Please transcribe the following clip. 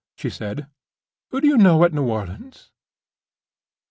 she said. "Who do you know at New Orleans?"